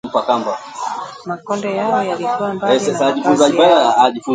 Makonde yao yalikuwa mbali na makazi yao